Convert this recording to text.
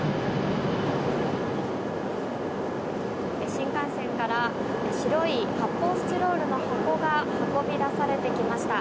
新幹線から白い発泡スチロールの箱が運び出されてきました。